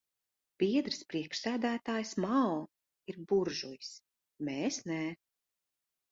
Biedrs priekšsēdētājs Mao ir buržujs, mēs nē.